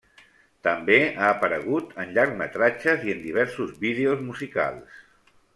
També ha aparegut en llargmetratges i en diversos vídeos musicals.